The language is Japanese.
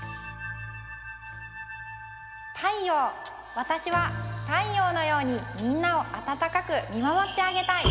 わたしは太陽のようにみんなをあたたかくみまもってあげたい。